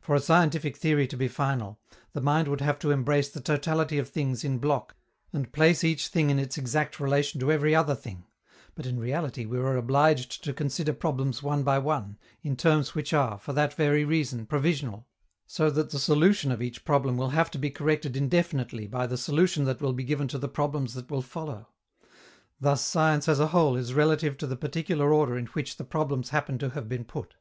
For a scientific theory to be final, the mind would have to embrace the totality of things in block and place each thing in its exact relation to every other thing; but in reality we are obliged to consider problems one by one, in terms which are, for that very reason, provisional, so that the solution of each problem will have to be corrected indefinitely by the solution that will be given to the problems that will follow: thus, science as a whole is relative to the particular order in which the problems happen to have been put.